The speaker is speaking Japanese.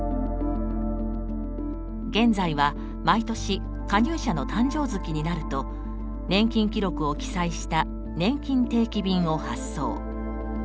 現在は毎年加入者の誕生月になると年金記録を記載したねんきん定期便を発送。